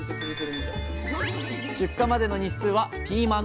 出荷までの日数はピーマンの２倍。